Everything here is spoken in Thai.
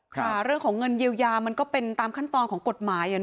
เรื่องของเงินเยียวยามันก็เป็นตามขั้นตอนของกฎหมาย